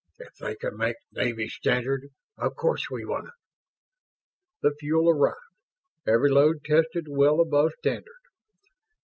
"If they can make Navy standard, of course we want it." The fuel arrived. Every load tested well above standard.